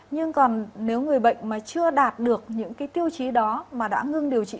nhưng còn nếu người bệnh mà chưa đạt được những cái tiêu chí đó mà đã ngưng điều trị